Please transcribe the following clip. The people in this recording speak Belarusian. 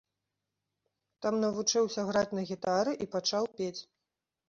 Там навучыўся граць на гітары і пачаў пець.